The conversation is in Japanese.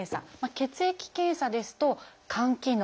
血液検査ですと肝機能。